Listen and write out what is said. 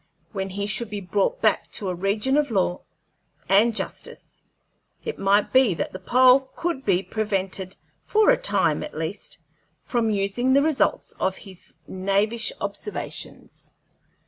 When he should be brought back to a region of law and justice, it might be that the Pole could be prevented, for a time, at least, from using the results of his knavish observations.